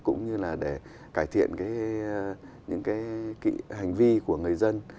cũng như là để cải thiện những cái hành vi của người dân